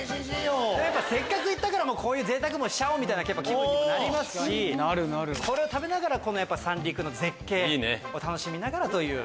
せっかく行ったからぜいたくしちゃおう！みたいな気分にもなりますしこれを食べながら三陸の絶景を楽しみながらという。